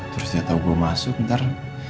terus dia tahu gue masuk ntar